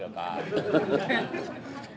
belak belakan di belakkan gak pak